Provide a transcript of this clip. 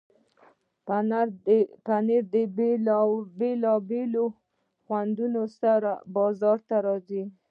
پنېر د بیلابیلو خوندونو سره بازار ته راځي.